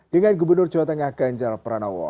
dengan gubernur jawa tengah ganjar pranowo